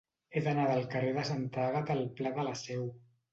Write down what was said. He d'anar del carrer de Santa Àgata al pla de la Seu.